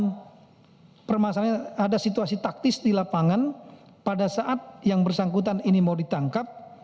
dan permasalahannya ada situasi taktis di lapangan pada saat yang bersangkutan ini mau ditangkap